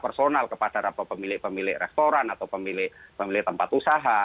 personal kepada pemilik pemilik restoran atau pemilik tempat usaha